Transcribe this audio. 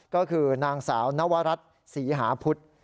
ก็คือนางสาวนวรัฐศรีหาพุทธ